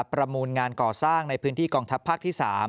ประมูลงานก่อสร้างในพื้นที่กองทัพภาคที่๓